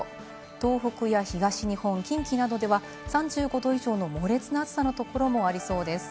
東北や東日本、近畿などでは、３５度以上の猛烈な暑さのところもありそうです。